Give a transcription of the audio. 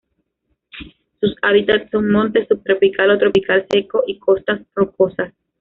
Sus hábitats son montes subtropical o tropical seco, y costas rocosas.